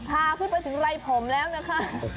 พาขึ้นไปถึงไรผมแล้วนะคะ